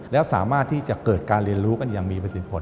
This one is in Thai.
แล้วสามารถที่จะเกิดการเรียนรู้กันอย่างมีประสิทธิผล